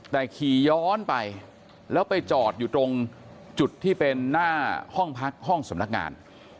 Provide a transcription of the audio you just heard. แต่ขี่ย้อนไปแล้วไปจอดอยู่ตรงจุดที่เป็นหน้าห้องพักห้องสำนักงาน